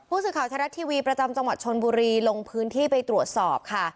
สื่อข่าวไทยรัฐทีวีประจำจังหวัดชนบุรีลงพื้นที่ไปตรวจสอบค่ะ